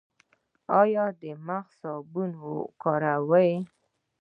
ایا د مخ صابون کاروئ؟